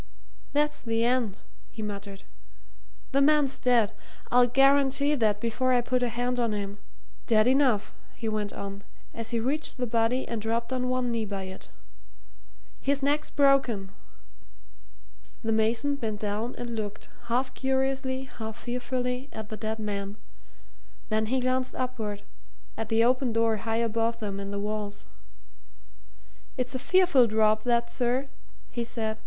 "That's the end!" he muttered. "The man's dead! I'll guarantee that before I put a hand on him. Dead enough!" he went on, as he reached the body and dropped on one knee by it. "His neck's broken." The mason bent down and looked, half curiously, half fearfully, at the dead man. Then he glanced upward at the open door high above them in the walls. "It's a fearful drop, that, sir," he said.